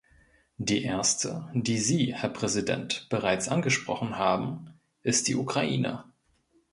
Die erste, die Sie, Herr Präsident, bereits angesprochen haben, ist die Ukraine.